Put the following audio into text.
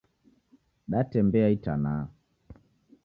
Datembea itana